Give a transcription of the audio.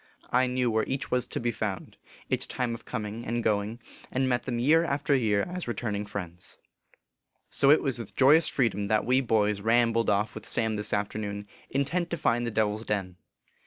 I knew where each was to be found, its time of coming and going, and met them year after year as returning friends. So it was with joyous freedom that we boys ram HOW TO FIGHT THE DEVIL. 19. 3 bled off with Sam this afternoon, intent to find the Devil s Den.